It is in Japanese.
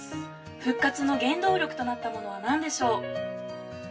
「復活の原動力となったものは何でしょう？」